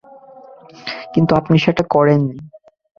কিন্তু আপনি সেটা করেন নি।